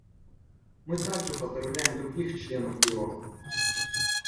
Мы также поздравляем других членов Бюро.